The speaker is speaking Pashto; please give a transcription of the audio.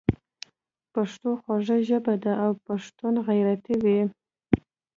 پښتو خوږه ژبه ده او پښتون غیرتي وي.